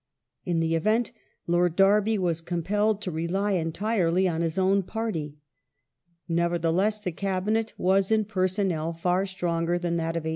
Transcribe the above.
In the event, Lord Derby was compelled to rely entirely on his own party. Never theless, the Cabinet was in pei sonnel far stronger than that of 1858.